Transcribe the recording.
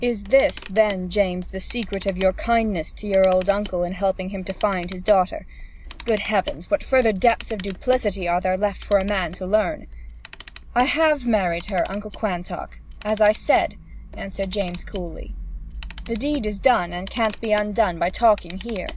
'Is this, then, James, the secret of your kindness to your old uncle in helping him to find his daughter? Good Heavens! What further depths of duplicity are there left for a man to learn!' 'I have married her, Uncle Quantock, as I said,' answered James coolly. 'The deed is done, and can't be undone by talking here.'